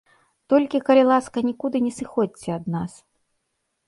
Толькі, калі ласка, нікуды не сыходзьце ад нас.